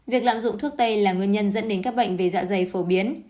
việc lạm dụng thuốc tây là nguyên nhân dẫn đến các bệnh về dạ dày phổ biến